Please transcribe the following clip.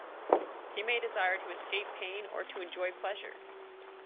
He may desire to escape pain, or to enjoy pleasure.